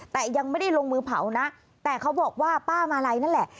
แต่ยังไม่ได้ลงมือเผานะแต่เขาบอกว่าป้ามาลัยนั่นแหละ